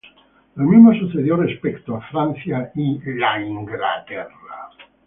Lo mismo sucedió respecto a Francia e Inglaterra.